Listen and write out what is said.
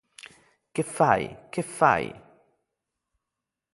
Che fai, che fai?